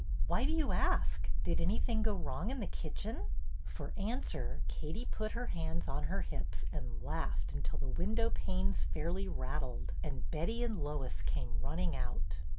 Why do you ask? Did anything go wrong in the kitchen ?" For answer Katie put her hands on her hips and laughed until the window panes fairly rat tled, and Betty and Lois came running out.